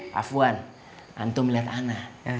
pak fuan antum liat ana